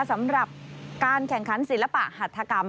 สำหรับการแข่งขันศิลปะหัฐกรรม